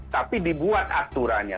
tapi dibuat aturannya